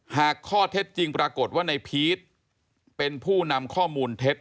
หากข้อเท็จจริงปรากฏว่าในพีชเป็นผู้นำข้อมูลเท็จ